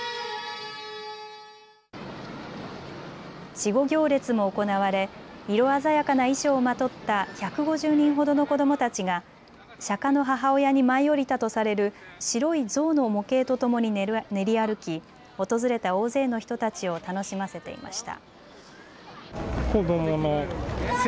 稚児行列も行われ色鮮やかな衣装をまとった１５０人ほどの子どもたちが釈迦の母親に舞い降りたとされる白い象の模型とともに練り歩き訪れた大勢の人たちを楽しませていました。